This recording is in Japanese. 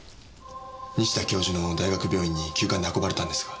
西田教授の大学病院に急患で運ばれたんですが。